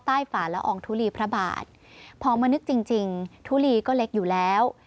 ฝาละอองทุลีพระบาทพอมานึกจริงจริงทุลีก็เล็กอยู่แล้ว